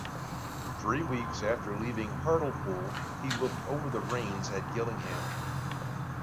Three weeks after leaving Hartlepool, he took over the reins at Gillingham.